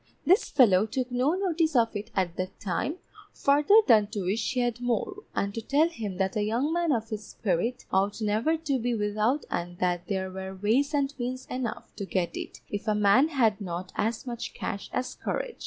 This fellow took no notice of it at that time, farther than to wish he had more, and to tell him that a young man of his spirit ought never to be without and that there were ways and means enough to get it, if a man had not as much cash as courage.